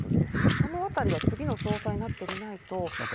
このあたりは次の総裁になってみないと。